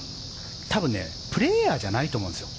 多分、プレーヤーじゃないと思うんですよ。